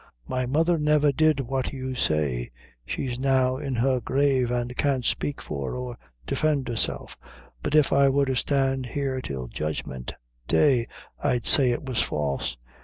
"My mother never did what you say. She's now in her grave, an' can't speak for or defend herself; but if I were to stand here till judgment day, I'd say it was false.